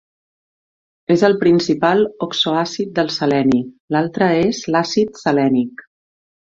És el principal oxoàcid del seleni; l'altre és l'àcid selènic.